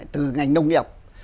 từ ngành nông nghiệp